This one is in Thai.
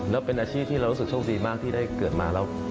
แล้วเป็นอาชีพที่เรารู้สึกโชคดีมากที่ได้เกิดมาแล้ว